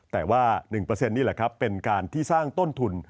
แต่ว่า๑นี่แหละครับเป็นการที่สร้างต้นทุน